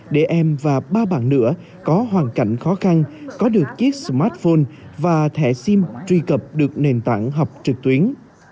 để em và ba bạn nữa có hoàn cảnh khó khăn có được chiếc smartphone và thẻ sim truy cập được nền tảng học trực tuyến